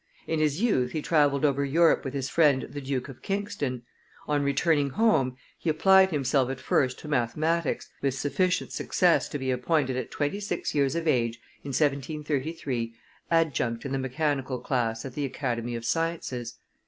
In his youth he travelled over Europe with his friend the Duke of Kingston; on returning home, he applied himself at first to mathematics, with sufficient success to be appointed at twenty six years of age, in 1733, adjunct in the mechanical class at the Academy of Sciences.